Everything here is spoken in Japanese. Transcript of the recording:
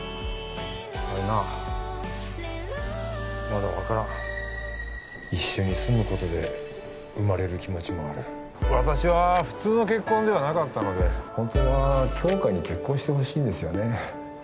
あのなまだ分からん一緒に住むことで生まれる気持ちもある私は普通の結婚ではなかったのでホントは杏花に結婚してほしいんですよね